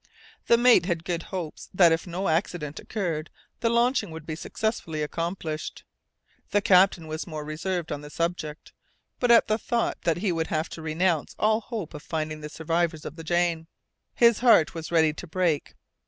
The mate had good hopes that if no accident occurred the launching would be successfully accomplished. The captain was more reserved on the subject, but at the thought that he would have to renounce all hope of finding the survivors of the Jane, his heart was ready to break.